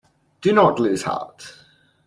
Do not lose heart!